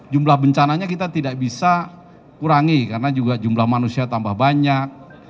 jumlah bencananya kita tidak bisa kurangi karena juga jumlah manusia tambah banyak